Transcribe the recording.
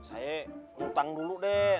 saya ngutang dulu deh